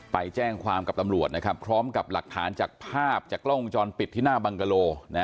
ไปแจ้งความกับตำรวจนะครับพร้อมกับหลักฐานจากภาพจากกล้องวงจรปิดที่หน้าบังกะโล